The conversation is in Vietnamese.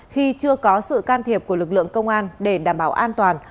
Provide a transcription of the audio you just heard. khi chưa có sự can thiệp của lực lượng công an để đảm bảo an toàn